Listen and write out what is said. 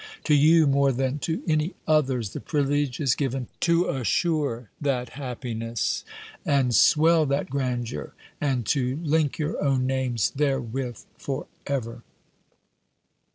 To you, more than to any others, the privilege is given to assure that happiness and swell that grandeur, and to link your own names therewith forever.